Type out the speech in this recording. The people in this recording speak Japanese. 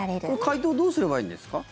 解凍どうすればいいんですか？